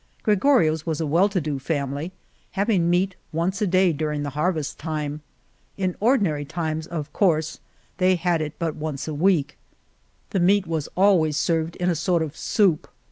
Gre gorio's was a well to do f am ily, having meat once a day during the harvest time. In ordinary times, of course, they had it but once * a week. The meat was always served in a sort of soup.